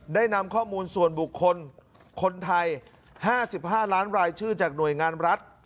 ได้นำข้อมูลส่วนบุคคลคนไทย๕๕ล้านรายชื่อจากหน่วยงานรัฐ